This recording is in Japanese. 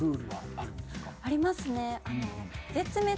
ありますね。